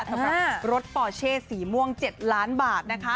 สำหรับรถปอเชศี่ม่วง๗ล้านบาท